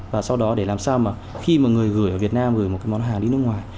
và sau đó để làm sao mà khi mà người gửi ở việt nam gửi một cái món hàng đi nước ngoài